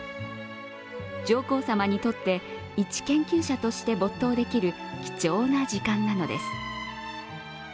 上皇さまにとって一研究者として没頭できる貴重な時間なのです。